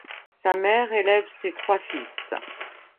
Sa mère élève ses trois fils.